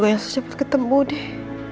semoga elsa cepet ketemu deh